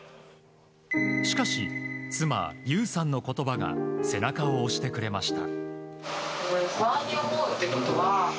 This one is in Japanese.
しかし、妻・優さんの言葉が背中を押してくれました。